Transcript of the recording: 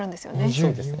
そうですね。